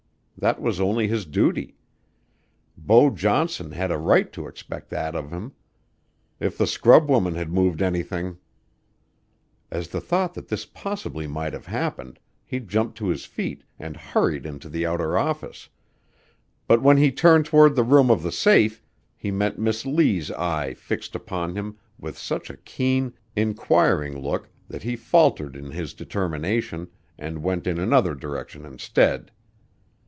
That was only his duty. Beau Johnson had a right to expect that of him. If the scrub woman had moved anything At the thought that this possibly might have happened, he jumped to his feet and hurried into the outer office; but when he turned toward the room of the safe, he met Miss Lee's eye fixed upon him with such a keen, inquiring look that he faltered in his determination, and went in another direction instead.